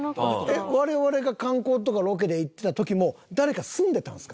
我々が観光とかロケで行ってた時も誰か住んでたんですか？